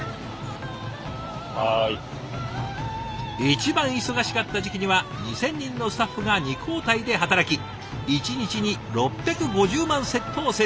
一番忙しかった時期には２，０００人のスタッフが２交代で働き１日に６５０万セットを製造。